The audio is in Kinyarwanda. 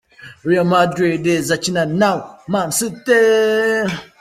Real Madrid izakina na Man City.